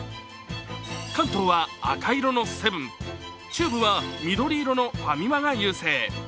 関東は赤色のセブン中部は緑色のファミマが優勢。